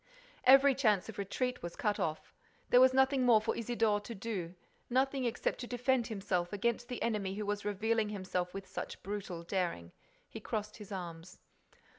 Every chance of retreat was cut off. There was nothing more for Isidore to do, nothing except to defend himself against the enemy who was revealing himself with such brutal daring. He crossed his arms.